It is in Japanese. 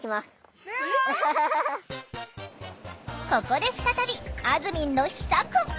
ここで再びあずみんの秘策！